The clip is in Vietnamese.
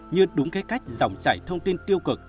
như đúng cái cách dòng chảy thông tin tiêu cực